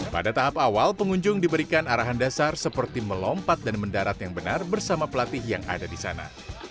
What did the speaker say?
pada tahap awal pengunjung diberikan arahan dasar seperti melompat dan mendarat yang benar bersama pelatih yang ada di sana